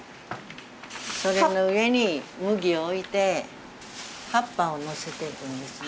それの上に麦を置いて葉っぱをのせていくんですね。